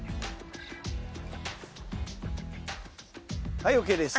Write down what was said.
はいＯＫです。